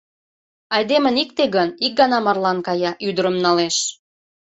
Айдемын икте гын, ик гана марлан кая, ӱдырым налеш.